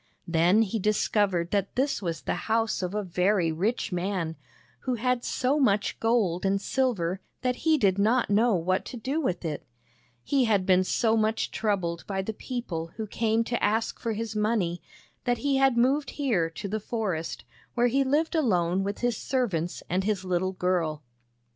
Then he discovered that this was the house of a very rich man, who had so much 1 12 Page 131 He was met by a kind housekeeper THE BAG OF SMILES gold and silver that he did not know what to do with it. He had been so much troubled by the people who came to ask for his money, that he had moved here to the forest, where he lived alone with his servants and his little girl.